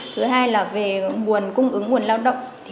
thứ hai là về nguồn cung ứng nguồn lao động